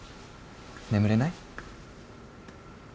眠れない？